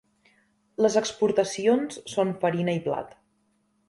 Les exportacions són farina i blat.